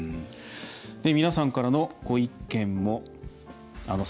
皆さんからのご意見です。